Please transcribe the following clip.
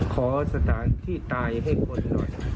ขอสถานที่ตายให้คนหน่อย